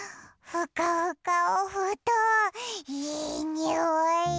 ふかふかおふとんいいにおい！